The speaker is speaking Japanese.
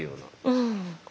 うん。